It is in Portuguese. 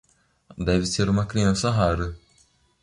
Deve ser uma criança rara.